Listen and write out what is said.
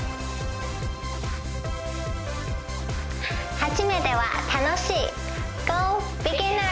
初めては楽しい。